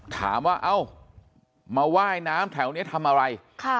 ถามว่าเอ้ามาว่ายน้ำแถวนี้ทำอะไร